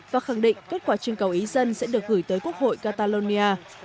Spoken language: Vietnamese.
và khẳng định kết quả trưng cầu ý dân sẽ được gửi tới quốc hội catalonia